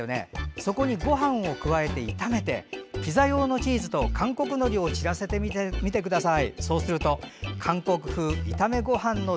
そこにごはんを加えて炒めてピザ用のチーズと韓国のりを散らせてみてください。